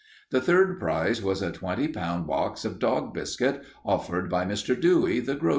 The third prize was a twenty pound box of dog biscuit offered by Mr. Dewey, the grocer.